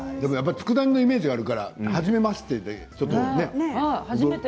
つくだ煮のイメージがあるからはじめましてという感じ。